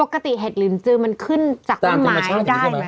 เห็ดลินจือมันขึ้นจากต้นไม้ได้ไหม